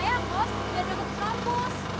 saya kos biar gak ke kampus